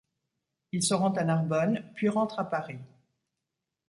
Il se rend à Narbonne, puis rentre à Paris.